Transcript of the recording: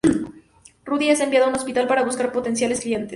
Rudy es enviado a un hospital para buscar potenciales clientes.